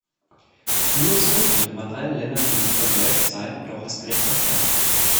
Nur so konnte man allen Ländern gegenüber gerecht sein und auch als gerecht erscheinen.